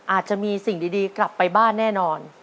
อาจจะมีสิ่งดีกลับไปบ้านแน่นอน